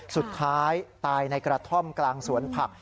สุดท้ายตายในกระท่อมกลางสวนผัก